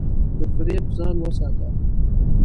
له فریب ځان وساته.